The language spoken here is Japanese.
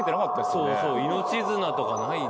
そうそう命綱とかない。